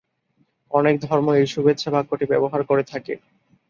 অনেক ধর্ম এই শুভেচ্ছা বাক্যটি ব্যবহার করে থাকে।